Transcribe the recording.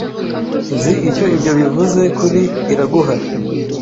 Nzi icyo ibyo bivuze kuri Iraguha.